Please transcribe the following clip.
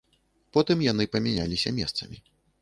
Потым яны памяняліся месцамі.